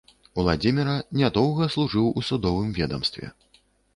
Уладзіміра нядоўга служыў у судовым ведамстве.